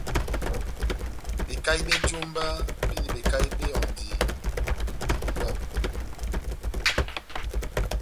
Bekahi bé jómba béndini bekahi bé ehɔndi bébubwabɛ.